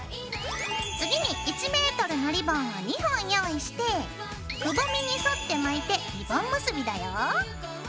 次に１ｍのリボンを２本用意してくぼみに沿って巻いてリボン結びだよ。